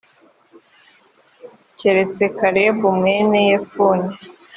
keretse kalebu mwene yefune